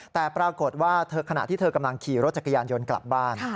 แต่ปรากฏว่าขณะที่เธอกำลังขี่รถจักรยานยนต์กลับบ้าน